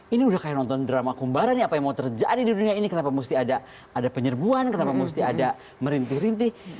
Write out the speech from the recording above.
ini udah kayak nonton drama kumbara nih apa yang mau terjadi di dunia ini kenapa mesti ada penyerbuan kenapa mesti ada merintih rintih